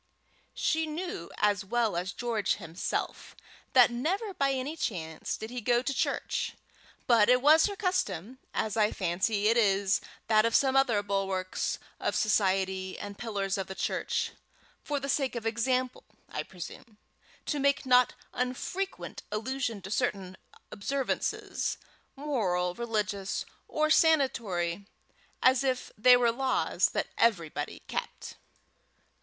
She knew as well as George himself that never by any chance did he go to church; but it was her custom, as I fancy it is that of some other bulwarks of society and pillars of the church, "for the sake of example," I presume, to make not unfrequent allusion to certain observances, moral, religious, or sanatory as if they were laws that everybody kept.